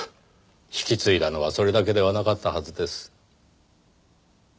引き継いだのはそれだけではなかったはずです。